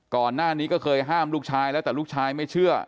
ก่อนหน้านี้ก็เคยห้ามลูกชายแล้วแต่ลูกชายไม่เชื่อ